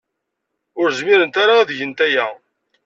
Ur zmirent ara ad gent aya.